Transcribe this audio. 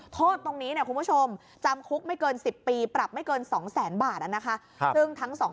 โทษตรงนี้คุณผู้ชมจำคุกไม่เกิน๑๐ปีปรับไม่เกิน๒แสนบาทนะคะ